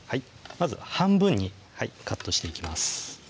まず半分にカットしていきます